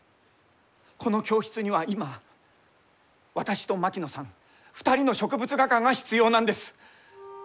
この教室には今私と槙野さん２人の植物画家が必要なんです。